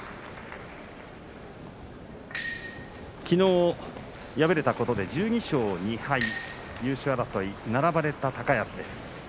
きのう敗れたことで１２勝２敗優勝争い、並ばれた高安です。